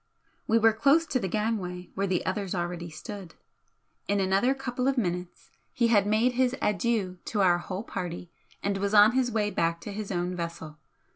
We were close to the gangway where the others already stood. In another couple of minutes he had made his adieux to our whole party and was on his way back to his own vessel.